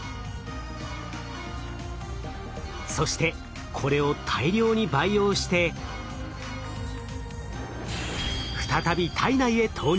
そしてこれを大量に培養して再び体内へ投入。